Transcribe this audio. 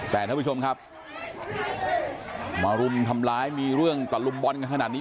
แต่ท่านผู้ชมครับมารุมทำร้ายมีเรื่องตะลุมบอลกันขนาดนี้